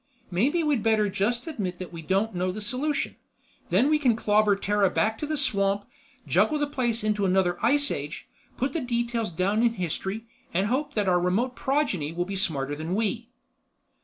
"Maybe we'd better just admit that we don't know the solution. Then we can clobber Terra back to the swamp, juggle the place into another ice age, put the details down in History, and hope that our remote progeny will be smarter than we."